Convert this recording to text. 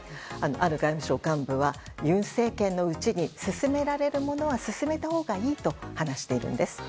ある外務省幹部は尹政権のうちに進められるものは進めたほうがいいと話しているんです。